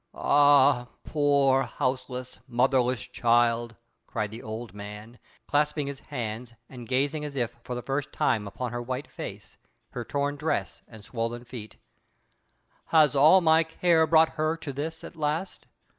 "Ah! poor, houseless, motherless child," cried the old man, clasping his hands, and gazing as if for the first time upon her white face, her torn dress, and swollen feet; "has all my care brought her to this at last?